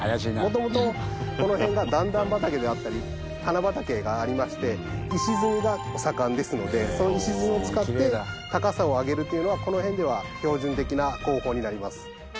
元々この辺が段々畑であったり棚畑がありまして石積みが盛んですのでその石積みを使って高さを上げるというのはこの辺では標準的な工法になります。